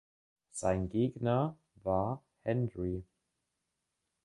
Sein Gegner war Hendry.